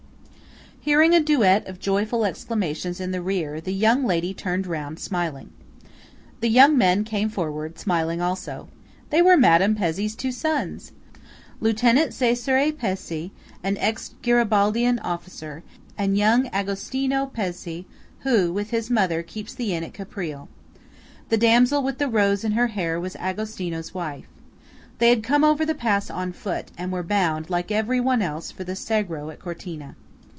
Hearing a duet of joyful exclamations in the rear, the young lady turned round, smiling. The young men came forward, smiling also. They were Madame Pezzé's two sons, Lieutenant Cesare Pezzé, an ex Garibaldian officer, and young Agostino Pezzé, who, with his mother, keeps the inn at Caprile. The damsel with the rose in her hair was Agostino's wife. They had come over the pass on foot, and were bound, like everyone else, for the Sagro at Cortina.